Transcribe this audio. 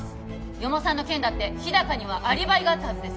四方さんの件だって日高にはアリバイがあったはずです